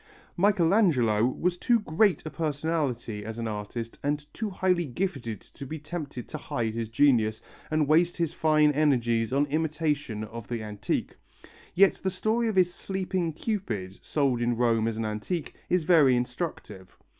Michelangelo was too great a personality as an artist and too highly gifted to be tempted to hide his genius and waste his fine energies on imitation of the antique. Yet the story of his Sleeping Cupid, sold in Rome as an antique, is very instructive.